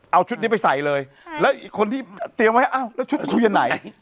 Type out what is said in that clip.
เอาชุดนี้ไปใส่เลยแล้วอีกคนที่เตรียมไว้อ้าวแล้วชุดคุยกันไหน